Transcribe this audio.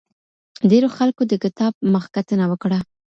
ډېرو خلکو د کتاب مخکتنه وکړه.